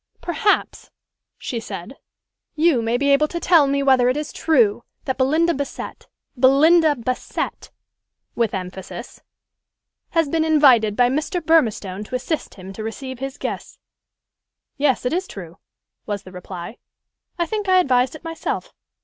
"Perhaps," she said, "you may be able to tell me whether it is true that Belinda Bassett Belinda Bassett," with emphasis, "has been invited by Mr. Burmistone to assist him to receive his guests." "Yes, it is true," was the reply: "I think I advised it myself.